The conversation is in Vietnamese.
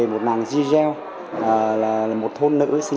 mong muốn sẽ đưa khán giả